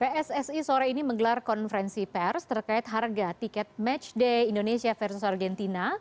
pssi sore ini menggelar konferensi pers terkait harga tiket match day indonesia versus argentina